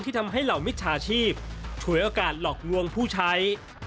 ทำให้เหล่ามิจฉาชีพฉวยโอกาสหลอกลวงผู้ใช้